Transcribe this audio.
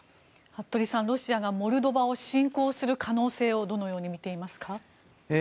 服部さん、ロシアがモルドバを侵攻する可能性をどのように見ていますか？